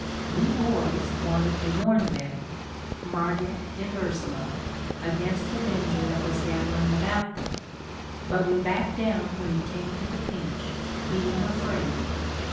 "We boys wanted to warn them" — Marget and Ursula, against the danger that was gathering about them — "but we backed down when it came to the pinch, being afraid.